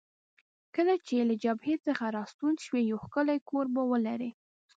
کله چې له جبهې څخه راستون شوې، یو ښکلی کور به ولرې.